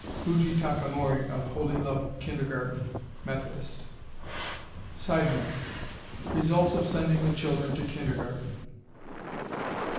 (Fuji Takamori of Holy Love Kindergarten, Methodist.) [Sidenote: Results of sending the children to kindergarten.